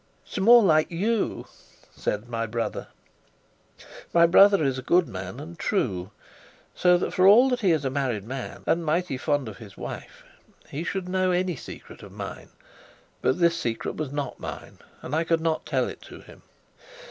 "It's more like you!" said my brother. My brother is a good man and true so that, for all that he is a married man and mighty fond of his wife, he should know any secret of mine. But this secret was not mine, and I could not tell it to him.